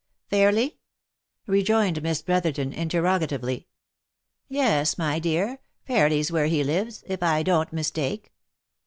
" Fairly ?" rejoined Miss Brotherton, interrogatively. " Yes, my dear, Fairly's where he lives, if I don't mistake."